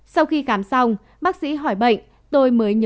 sau khi khám xong bác sĩ hỏi bệnh tôi mới nhớ ra dạ dây của mình không tốt